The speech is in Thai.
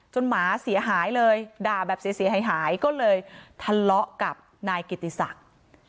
หมาเสียหายเลยด่าแบบเสียหายก็เลยทะเลาะกับนายกิติศักดิ์